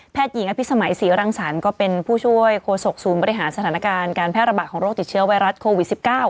หญิงอภิษมัยศรีรังสรรค์ก็เป็นผู้ช่วยโฆษกศูนย์บริหารสถานการณ์การแพร่ระบาดของโรคติดเชื้อไวรัสโควิด๑๙